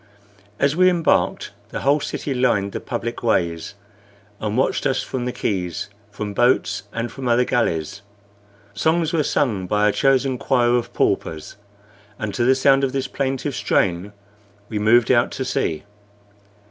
As we embarked the whole city lined the public ways, and watched us from the quays, from boats, and from other galleys. Songs were sung by a chosen choir of paupers, and to the sound of this plaintive strain we moved out to sea.